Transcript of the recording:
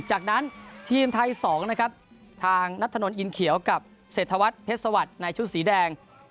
จากนั้นทีมไทย๒นะครับทางนัทธนนอินเขียวกับเศรษฐวัฒนเพชรสวัสดิ์ในชุดสีแดง